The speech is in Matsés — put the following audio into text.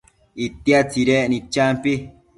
itia tsidecnid champi